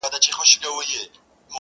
ماته خوښي راكوي _